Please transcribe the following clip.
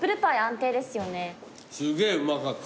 すげぇうまかった。